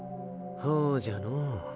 ほうじゃのう。